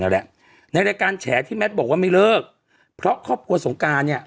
แหละในรายการแฉที่แมทบอกว่าไม่เลิกเพราะครอบครัวสงการเนี่ย